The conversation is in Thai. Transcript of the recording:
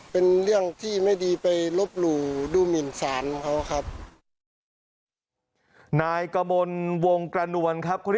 เป็นเรื่องที่ไม่ดีไปลบหลู่ดูหมินสารของเขาครับ